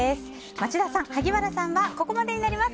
町田さん、萩原さんはここまでになります。